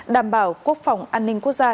đảm bảo quốc phòng an ninh quốc gia